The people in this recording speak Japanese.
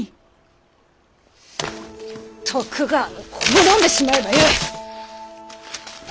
徳川など滅んでしまえばよい！